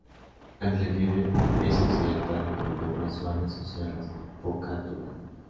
El relieve es accidentado, con lomas suaves o sierras de poca altura.